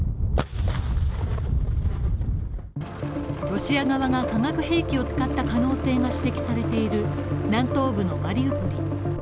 ロシア側が化学兵器を使った可能性が指摘されている、南東部のマリウポリ。